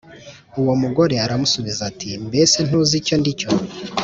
Uwo mugore aramusubiza ati Mbese ntuzi icyo ndicyo